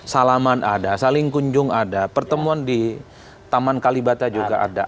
salaman ada saling kunjung ada pertemuan di taman kalibata juga ada